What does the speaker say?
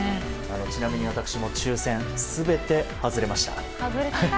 ちなみに私も抽選全て外れました。